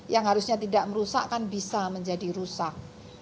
yang harusnya tidak merusak kan bisa menjadi rusak